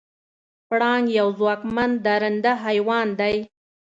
پړانګ یو ځواکمن درنده حیوان دی.